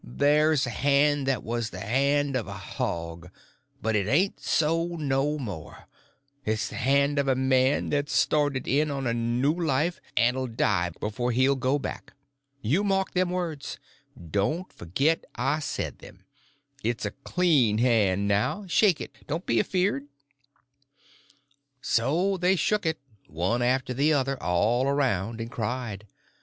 There's a hand that was the hand of a hog; but it ain't so no more; it's the hand of a man that's started in on a new life, and'll die before he'll go back. You mark them words—don't forget I said them. It's a clean hand now; shake it—don't be afeard." So they shook it, one after the other, all around, and cried.